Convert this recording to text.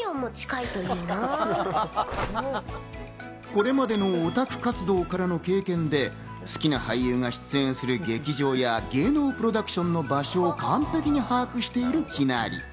これまでのオタク活動の経験で、好きな俳優が出演する劇場や芸能プロダクションの場所を完璧に把握してる、きなり。